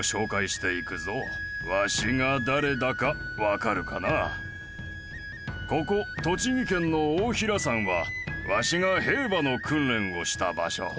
これからここ栃木県の太平山はわしが兵馬の訓練をした場所。